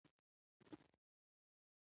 پښتو ژبه زموږ ویاړ دی.